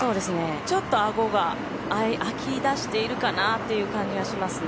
ちょっと顎があきだしているかなという感じがしますね。